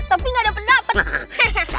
tapi gak ada pendapat